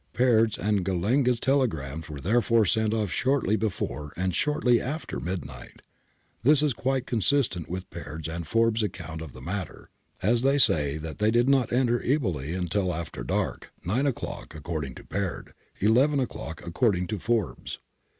Peard's and Gallenga's telegrams were therefore sent off shortly before and shortly after midnight ; this is quite con sistent with Peard's and P'orbes' account of the matter, as they say that they did not enter Eboli till after dark, nine o'clock accorrling to Peard, eleven o'clock according to P'orbes.